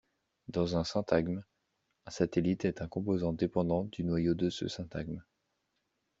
Dans un syntagme, un satellite est un composant dépendant du noyau de ce syntagme.